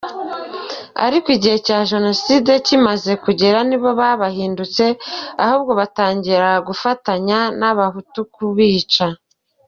Ariko igihe cya Jenoside kimaze kugera nibo babahindutse ahubwo batangira gufatanya n’Abahutu kubica.